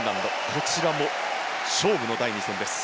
こちらも勝負の第２戦です。